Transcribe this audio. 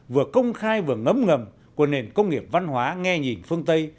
vừa công khai vừa ngấm ngầm của nền công nghiệp văn hóa nghe nhìn phương tây